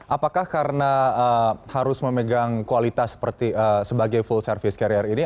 apakah karena harus memegang kualitas sebagai full service carrier ini